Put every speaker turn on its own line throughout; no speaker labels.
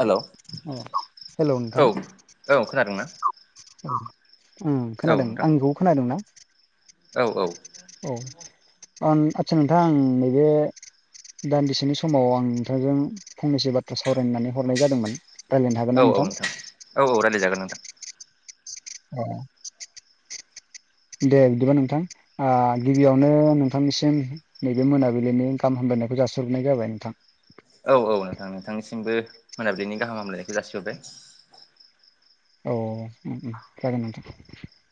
हेल' औ औ
औ हेलौ नोंथां
खोनादों ना
खोनादों
नोंथां
आंनिखौबो खोनादों ना
औ औ
औ आतसा नोंथां नैबे दान्दिसेनि समाव आं नोंथांजों फंनैसो बाथ्रा सावरायनो होननानै हरनाय जादोंमोन रायज्लायनो हागोन ना
औ औ नोंथां औ औ रायज्लायजागोन नोंथां
अ दे बिदिबा नोंथां गिबियावनो नोंथांनिसिम नैबे मोनाबिलिनि गाहाम हामलायनायखौ जासिहरनाय जाबाय नोंथां
औ औ नोंथां नोंथांनिसिमबो मोनाबिलिनि गाहाम हामलायनायखौ जासिहरबाय
औ जागोन नोंथां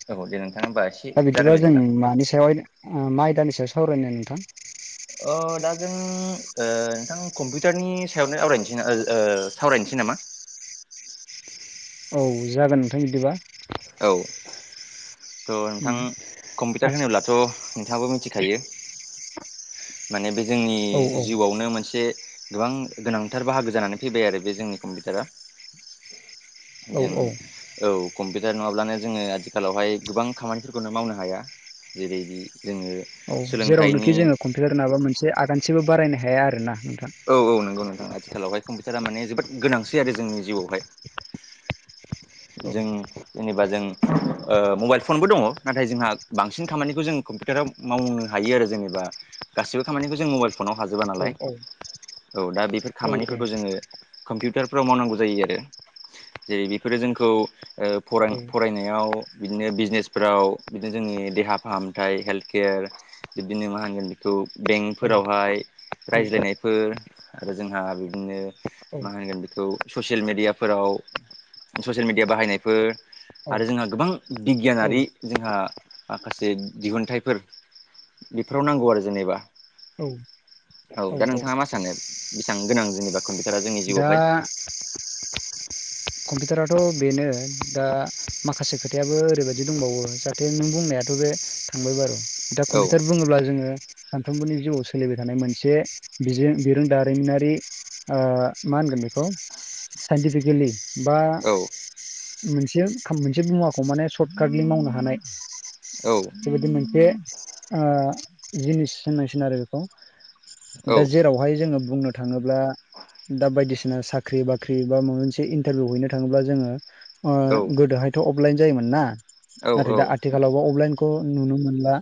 औ दे नोंथां होमबा एसे
दा बिदिबा
जागायलाय
जों
नोंथां
मानि सायावहाय मा आयदानि सायाव सावरायनो नोंथां
अ दा जों नोंथां कम्पिउटारनि सायावनो आवरायनोसै सावरायनोसै नामा
औ जागोन नोंथां बिदिबा
औ थ' नोंथां
उम
कम्पिउटार
आथि
होनोब्लाथ' नोंथाङाबो मिथिखायो माने बे जोंनि
औ औ
जिउआवनो मोनसे गोबां गोनांथार बाहागो जानानै फैबाय आरो बे जोंनि कम्पिउटारा
औ
जों
औ
औ कम्पिउटार नङाब्लानो जोङो आथिखालावहाय गोबां खामानिफोरखौनो मावनो हाया जेरैदि जोङो
औ जेरावनोखि
सोलोंथाइनि
जोङो कम्पिउटार नङाबा मोनसे आगानसेबो बारायनो हाया आरो ना नोंथां
औ औ नंगौ नोंथां आथिखालावहाय कम्पिउटारा माने जोबोद गोनांसै आरो जोंनि जिउआवहाय
औ
जों जेनेबा जों मबाइल फनबो दङ नाथाय जोंहा बांसिन खामानिखौ जों कम्पिउटाराव मावनो हायो आरो जेनेबा गासिबो खामानिखौ जों मबाइल फनाव हाजोबा नालाय औ दा बेफोर
औ औ
खामानिफोरखौ जोङो कम्पिउटारफ्राव मावनांगौ जायो आरो जे बेफोरो जोंखौ फरायनायाव बिदिनो बिजनेसफोराव बिदिनो जोंनि देहा फाहामथाय हेल्थ केयार बिब्दिनो मा होनगोन बेखौ
औ
बेंकफोरावहाय
औ
रायज्लायनायफोर आरो जोंहा बिदिनो मा होनगोन बेखौ ससियेल मेडियाफोराव ससियेल मिडिया बाहायनायफोर आरो जोंहा गोबां बिगियानारि जोंहा माखासे दिहुनथाइफोर बेफोराव नांगौ आरो जेनेबा
औ
औ दा नोंथाङा मा सानो बेसेबां गोनां जेनेबा कम्पिउटारा जोंनि जिउआवहाय
हा कम्पिउटाराथ' बेनो दा माखासे खोथायाबो ओरैबायाददि दंबावो जा नों बुंनायाथ' बे थांबाय बार' दा
औ
कम्पिउटार बुङोब्ला जोङो सानफ्रोमबोनि जिउआव सोलिबाय थानाय मोनसे बिजों बिरोंदारिमिनारि आ मा होनगोन बेखौ साइन्टिफिकेलि बा
औ
मोनसे मोनसे मुवाखौ माने सर्टकाटलि मावनो हानाय
औ।
बेबायदि मोनसे आ जिनिस होननांसिगोन आरो बेखौ
औ
दा जेराव हाय जोङो बुंनो थाङोब्ला दा बायदिसिना साख्रि बाख्रि बा मायबा मोनसे इन टारभिउ हैनो थाङोब्ला जोङो
औ
आ गोदोहायथ' अफलाइन जायोमोन ना
औ
नाथाय
औ
दा आथिखालावबा अफलाइनखौ नुनो मोनला।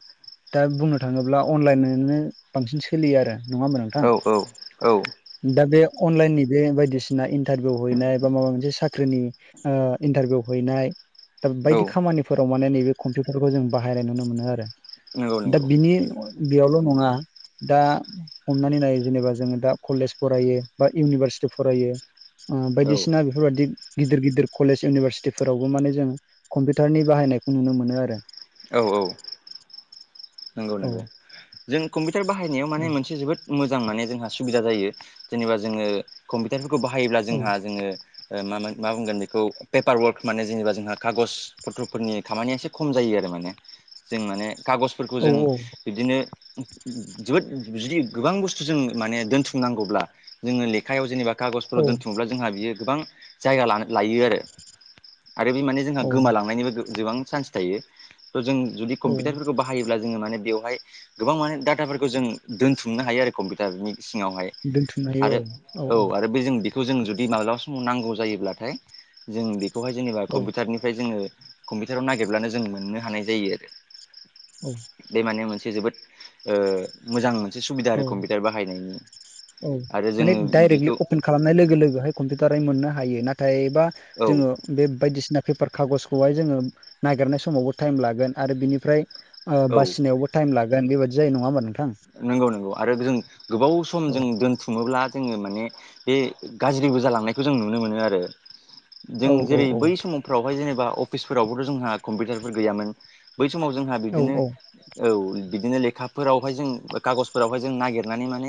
दा बुंनो थाङोब्ला अनलाइननो बांसिन सोलियो आरो नङा होमबा
औ औ औ
नोंथां दा बे अनलाइननि बे बायदिसिना इन्टारभिउ हैनाय बा माबा मोनसे साख्रिनि आ इन्टारभिउ हैनाय दा बायदि
औ
खामानिफोराव माने नैबे कम्पिउटारखौ जों बाहायनाय नुनो मोनो आरो।
नंगौ
दा
नंगौ
बिनि बेयावल' नङा दा हमनानै नायो जेनेबा जोङो दा कलेज फरायो बा इउनिभारसिटि फरायो बायदिसि
औ
सिना बेफोरबादि गिदिर गिदिर कलेज इउनिभारसिटिफोरावबो माने जोङो कम्पिउटारनि बाहायनायखौ नुनो मोनो आरो
औ औ। नंगौ
औ
नंगौ जों कम्पिउटार बाहायनायाव माने
औ
मोनसे जोबोद मोजां माने जोंहा सुबिदा जायो जेनेबा जोङो कम्पिउटारफोरखौ बाहायोब्ला
औ
जोंहा जोङो ओ मामोन मा बुंगोन बेखौ पेपार वर्क माने जेनेबा जोंहा कागज पथ्रफोरनि खामानिया एसे खम जायो आरो माने जों माने खागजफोरखौ जों बिदिनो जोबोद जुदि गोबां बुस्थु जों माने दोनथुमनांगौब्ला जोङो लेखायाव जेनेबा
औ
खागजफोराव दोनथुमब्ला जोंहा बियो गोबां जायगा लायो आरो आरो बे माने जोंहा
औ
गोमालांनायनिबो गोबां चान्स थायो। थ' जों जुदि
औ
कम्पिउटारफोरखौ बाहायोब्ला जोङो माने बेवहाय गोबां माने डाटाफोरखौ जों दोनथुमनो हायो आरो कम्पिउटारनि सिङावहाय
दोनथुमनो हायो औ
आरो औ आरो बे जों बि खौ जों जुदि माब्लाबा समाव नांगौ जायोब्लाथाय जों बेखौहाय जेनेबा
औ
कम्पिउटारनिफ्राय जोङो कम्पिउटाराव नागिरब्लानो जों मोननो हानाय जायो आरो
औ।
बे माने मोनसे जोबोद ओ मोजां मोनसे सुबिदा आरो
औ
कम्पिउटार बाहायनायनि
औ
आरो
माने
जोङो
डाइरेक्टलि
बेखौ
अपेन खालामनाय लोगो लोगोहाय कम्पिउटारै मोननो हायो नाथायबा जोङो
औ
बे बायदिसिना पेपार खागजखौहाय जोङो नागिरनाय समावबो टाइम लागोन आरो बिनिफ्राय आ
औ
बासिनायावबो टाइम लागोन बेबायदि जायो नङा होमबा नोंथां
नंगौ नंगौ आरो जों गोबाव सम
औ
जों दोनथु खुङोब्ला जोङो माने बे गाज्रिबो जालांनायखौ जों नुनो मोनो आरो। जों
औ औ
जेरै
औ
बै समफ्रावहाय जेनेबा अफिसफोरावबोथ' जोंहा कम्पिउटारफोर गैयामोन। बै समाव जोंहा बिदिनो
औ औ
औ बिदिनो लेखाफोरावहाय जों कागजफोरावहाय जों नागिरनानै माने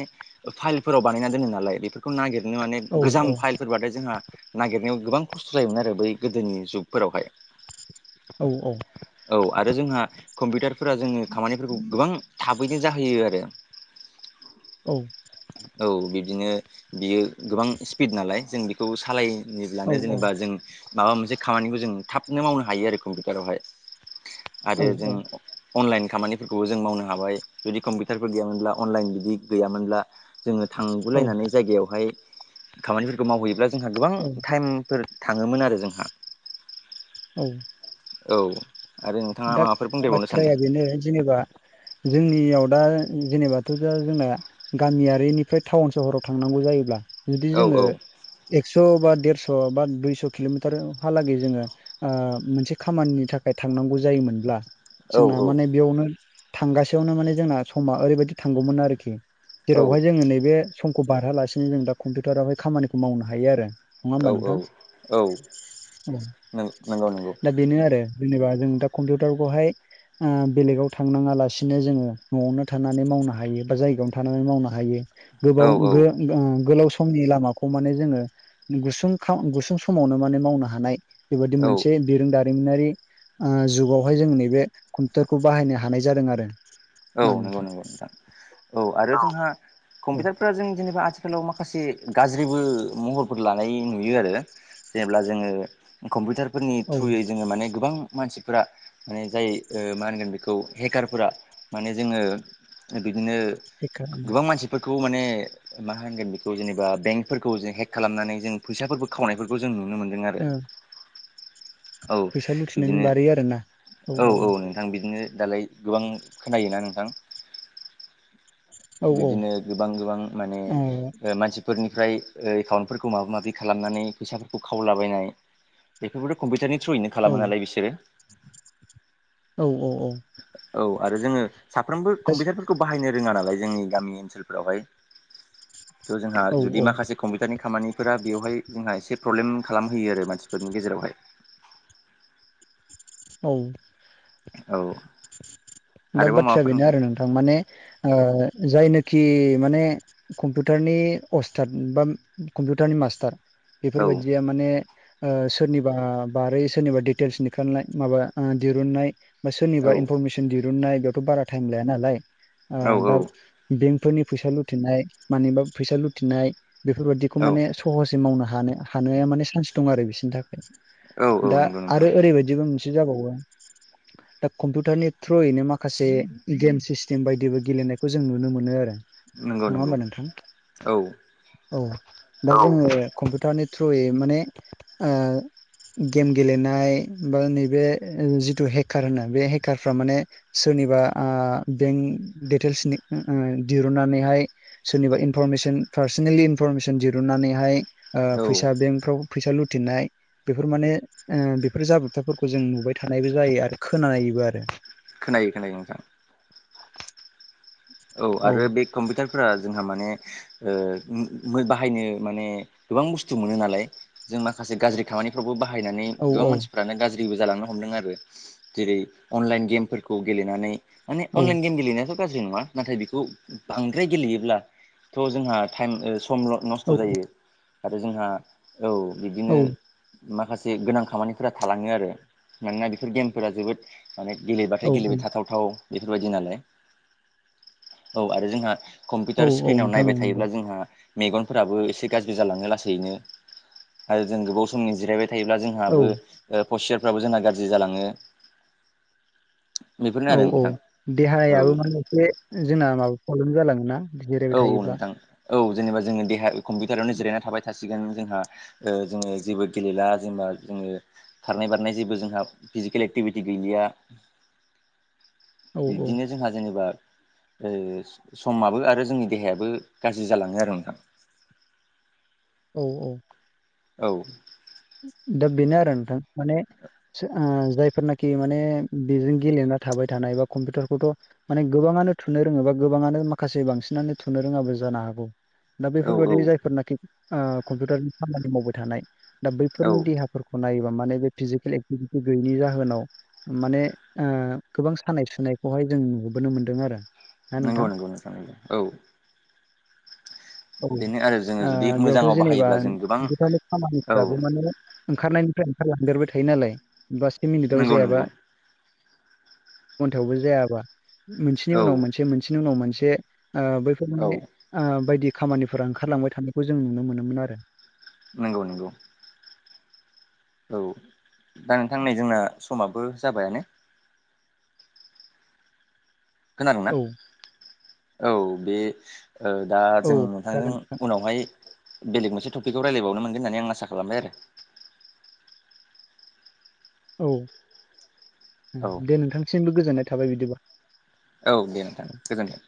फाइलफोराव बानायना दोनो नालाय बेफोर खौ नागिरनो माने
औ
गोजाम फाइलफोरबथाय जोंहा नागिरनायाव गोबां खस्थ' जायोमोन आरो बै गोदोनि जुगफोरावहाय
औ औ
औ आरो जोंहा कम्पिउटारफोरा जोङो खामानिफोरखौ गोबां थाबैनो जाहैयो आरो
औ।
औ बिब्दिनो बियो गोबां स्पिड नालाय जों बेखौ सालाय निब्लानो
औ
जेनेबा जों माबा मोनसे खामानिबो जों थाबनो मावनो हायो आरो कम्पिउटारावहाय आरो जों अनलाइन खामानिफोरखौबो जों मावनो हाबाय जुदि कम्पिउटारफोर गैयामोनब्ला अनलाइन बिदि गैयामोनब्ला जोङो
औ
थांगुलायनानै जायगायावहाय खामानिफोरखौ मावहैयोब्ला जोंहा गोबां
औ
टाइमफोर थाङोमोन आरो जोंहा
औ।
औ। आरो नोंथाङा
दा
माबाफोर बुंदेरबावनो सानदों
बाथ्राया बेनो जेनेबा जोंनियाव दा जेनेबाथ' दा जोंना गामियारिनिफ्राय टाउन सहराव थांनांगौ जायोब्ला जुदि
औ
जोङो
औ
एक्स' बा देरस' बा दुइस' किल'मिटारहालागै जोङो ओ मोनसे खामानिनि थाखाय थांनांगौ जायोमोनब्ला
औ
जोंना माने बेयावनो थांगासेयावनो माने जोंना समा ओरैबायदि थांगौमोन आरोखि जेरावहाय जोङो नैबे समखौ बारहालासिनो जों दा कम्पिउटारावहाय खामानिखौ मावनो हायो आरो। नङा होमबा
औ
नोंथां
औ नंगौ नंगौ
दा बेनो आरो। जेनेबा जों दा कम्पिउटारखौहाय ओ बेलेगाव थांनाङालासिनो जोङो न'आवनो थानानै मावनो हायो बा जायगायावनो थानानै मावनो हायो।
औ
गोबाव
औ
गो-गोलाव समनि लामाखौ माने जोङो गुसुं खा गुसुं समावनो माने मावनो हानाय बेबादि
औ
मोनसे बिरोंदारिमिनारि ओ जुग बावहाय जों नैबे कम्पिउटारखौ बाहायनो हानाय जादों आरो।
औ नंगौ नंगौ नोंथां औ आरो जोंहा
औ
कम्पिउटारफोरा जों जेनेबा आथिखाल खालाव माखासे गाज्रिबो महरफोर लानाय नुयो आरो। जेनेब्ला जोङो कम्पिउटार फोरनि
औ
थ्रुयै जोङो माने गोबां मानसिफोरा माने जाय ओ मा होनगोन बेखौ हेकारफोरा माने जोङो बिदिनो
बेखा
गोबां मानसिफोरखौ माने मा होनगोन बेखौ जेनेबा बेंकफोरखौ जों हेक खालामनानै जों फैसाफोरफोरखौ खावनायफोरखौ जों नुनो मोन्दों आरो।
ओ
औ
फैसा लुथिनायनि
बिदिनो
बारै आरोना
औ औ नों थां बिदिनो दालाय गोबां खोनायोना नोंथां।
औ
बिबदिनो गोबां गोबां माने
औ
ओ मानसि फोरनिफ्राय एकाउन्टफोरखौ माबा माबि खालामनानै फैसाफोरखौ खावलाबायनाय बेफोरबोथ' कम्पिउटारनि थ्रुयैनो
औ
खालामो नालाय बिसोरो।
औ
औ आरो जोङो साफ्रोमबो कम्पिउटारफोरखौ बाहायनो रोङा नालाय जोंनि गामि ओनसोलफोरावहाय थ' जोंहा
औ
जुदि माखासे कम्पिउटारनि खामानिफोरा बेवहाय जोंहा एसे प्रब्लेम खालामहोयो आरो मानसिफोरनि गेजेरावहाय
औ।
औ।
दा
आरोबाव
बाथ्राया
माबाफोर
बेनो आरो नोंथां माने ओ जायनोखि माने कम्पिउटारनि अस्थात बा कम्पिउटारनि मास्टार
औ
बेफोरबायदिया माने ओ सोरनिबा बारै सोरनिबा दिटेल्स निखारनाय माबा दिरुननाय बा
औ
सोरनिबा दिरुननाय बेयावथ' बारा थायेम लाया नालाय ओ
औ
दा बेंकफोरनि फैसा लुथिनाय मानिबा फैसा लुथिनाय बेफोरबादिखौ
औ
माने सहसै मावनो हाना हानाया माने सान्स दं आरो बिसोरनि थाखाय
औ औ
दा
नंगौ नोंथां
आरो ओरैबायदिबो मोनसे एसे जाबावो दा कम्पिउ कटारनि थ्रुयैनो माखासे गेम सिस्टेम बायदिबो गेलेनायखौ जों नुनो मोनो आरो
नंगौ
नङा
नंगौ
होनबा नोंथां?
औ
औ दा जोङो कम्पिउटारनि थ्रुयै माने गेम गेलेनाय बा नैबे जिथु हेकार होनो बे हेकारफ्रा माने सोरनिबा ओ बेंक दिटेल्स दिरुनन्नानैहाय सोरनिबा इनफरमेसन पार्सनेलि इनफरमेसन दिरुनन्नानैहाय
औ
फैसा बेंकफ्राव फैसा लुथनाय बेफोर माने बेफोर ओ जाब्रबथाफोरखौ जों नुबाय थानायबो जायो आरो खोनायोबो आरो
खोनायो खोनायो नों नोंथां औव,
औ
आरो बे कम्पिउटारफोरा जोंहा माने- ओ, बाहायनो माने- गोबां बुस्थु मोनो नालाय, जों माखासे गाज्रि खामानिफ्रावबो बाहायनानै
औ
गोबां
औ
मानसि फोरानो गाज्रिबो जालांनो हमदों आरो। जेरै - अनलाइन गेमफोरखौ गेलेनानै माने-
औ
अनलाइन गेम गेलेनायाथ' गाज्रि नङा? नाथाय बेखौ, बांद्राय गेलेयोब्लाथ' जोंहा ताइम, समल नस्थ'
औ
जायो। आरो जोंहा, औव बिदिनो माखासे गोनां खामानिफोरा थालाङो आरो। मानोना बेफोर गेमफोरा जोबोद माने
औ
गेलेबाथाय गेलेबाय थाथावथाव बेफोरबायदि नालाय। औव, आरो जोंहा
औ
कम्पिउटार
औ
इस्क्रिनाव
नोंथां
नायबाय
औ नंगौ
थायोब्ला जोंहा मेगनफोराबो एसे गाज्रि जालाङो लासैनो। आरो जों गोबाव समनि जिरायबाय थायोब्ला जों
औ
जोंहाबो, पसस्राबफोराबो जोंना गाज्रि जालाङो। बेफोरनो आरो
औव, औव,
नोंथां औ
देहायाबो माने एसे जोंना माबा प्रब्लेम जालांङोना?
औव, औव नोंथां। औव जेनेबा जोंङो देहााया कम्पिउटारावनो जिरायना थाबाय थासिगोन। जोंहा ओ जोंङो जेबो गेलेला, जेनेबा जोंङो खारनाय, बारनाय जेबो जोंहा फिजिकेल एक्टिभिटिस गैलिया
[inaudible] औ औ
बिदिनो जोंहा जेनेबा, ओ समाबो आरो जोंनि देहायाबो गाज्रि जालांङो आरो नोंथां।
औ, औ।
औ।
दा बेनो आरो नोंथां। माने ओ, जायफोरनाखि माने- बेजों गेलेना थाबाय थानाय एबा कम्पिउटारखौथ' माने गोबांङानो थुनो रोङो बा गोबांङानो माखासे बांसिनानो थुनो रोङाबो जानो हागौ। दा,
औ औ
बेफोरबाददि जायफोरनाखि ओ कम्पिउटारनि खामानि मावबाय थानाय, दा,
औ
बैफोरनि देहा फोरखौ नायोबा, माने बे फिजिकेल एक्टिभिटिस गैयैनि जाहोनाव माने ओ, गोबां सानाय, सुनायखौहाय जों नुुबोनो मोनदों आरो। ना
नंगौ।
नोंथां।
औव।
औ
आरो जोङो जुदि
बेयावथ'
मोजाङाव
जेनेबा
बाहायोब्ला जों गोबां
खामानि
औ
ओंखारनायनिफ्राय ओंखारलांगेरबाय थायो नालाय। बा, स्यि मिनिट आव
नंगौ नंगौ
जायाबा। अन्थायावबो जायाबा। मोनसेनि
औ
उनाव मोनसे-मोनसेनि उनाव मोनसे ओ बैफोर
औ
माने ओ बायदि खामानिफोरा ओंखारलांबाय थानायखौ जों नुनो मोनोमोन आरो।
नंगौ, नंगौ। औव, दा नोंथां नै जोंना समाबो जाबाय। खोनादोंना?
औ
औव, बे ओ दा जों
औ
दा नों
जागोन नोंथां
उनावहाय बेलेग मोनसे टपिकखौ रायलायबावनो मोनगोन होननानै आं आसा खालामबाय आरो।
औव,
आरो औ
दे नोंथांसिमबो गोजोननाय थाबाय बिदिब्ला।
औव, दे नोंथां। गोजोन्थों।